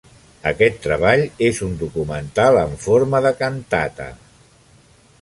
Aquest treball és un documental en forma de cantata.